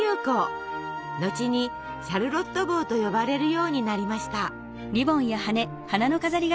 後に「シャルロット帽」と呼ばれるようになりました。